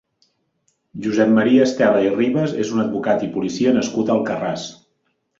Josep Maria Estela i Ribes és un advocat i policia nascut a Alcarràs.